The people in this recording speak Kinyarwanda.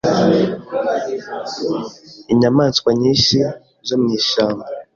inyamaswa nyinshi zo mwishyamba